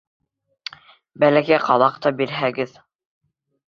Бәләкәй ҡалаҡ та бирһәгеҙ.